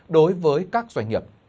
đối với các doanh nghiệp